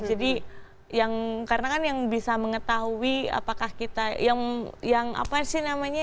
jadi karena kan yang bisa mengetahui apakah kita yang apa sih namanya